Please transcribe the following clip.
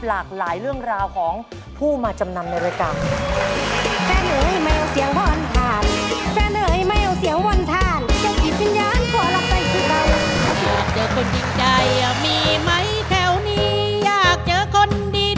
หลากหลายเรื่องราวของผู้มาจำนำในรายการ